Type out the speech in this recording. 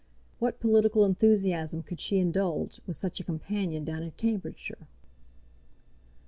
What political enthusiasm could she indulge with such a companion down in Cambridgeshire?